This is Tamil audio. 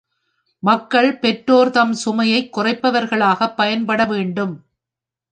மக்கள் பெற்றோர்த்ம் சுமையைக் குறைப்பவர்களாகப் பயன்பட வேண்டும்.